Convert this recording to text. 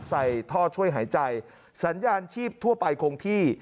ใส่ท่อช่วยหายใจสัญญาณชีพทั่วไปคงที่